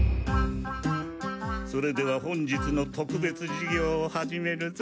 それでは本日の特別授業を始めるぞ。